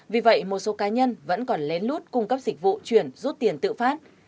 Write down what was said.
vì vậy một số cá nhân vẫn còn lén lút cung cấp dịch vụ chuyển rút tiền tự phát